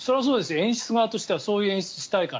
演出側としてはそういう演出をしたいから。